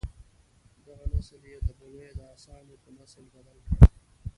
دغه نسل یې د بګیو د اسانو په نسل بدل کړ.